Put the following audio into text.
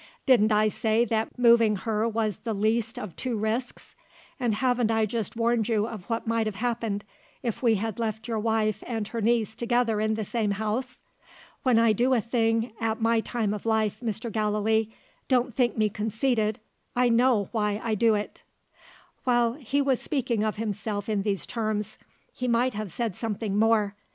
"Didn't I say that moving her was the least of two risks? And haven't I just warned you of what might have happened, if we had left your wife and her niece together in the same house? When I do a thing at my time of life, Mr. Gallilee don't think me conceited I know why I do it." While he was speaking of himself in these terms, he might have said something more.